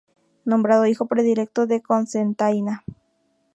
Nombrado hijo predilecto de Cocentaina.